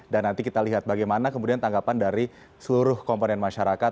dan nanti kita lihat bagaimana kemudian tanggapan dari seluruh komponen masyarakat